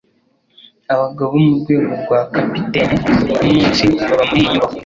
Abagabo bo mu rwego rwa capitaine no munsi baba muri iyi nyubako